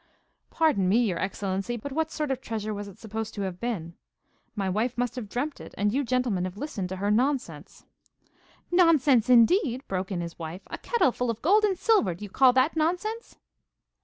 'Pardon me, your excellency, but what sort of treasure was it supposed to have been? My wife must have dreamt of it, and you gentlemen have listened to her nonsense.' 'Nonsense, indeed,' broke in his wife. 'A kettle full of gold and silver, do you call that nonsense?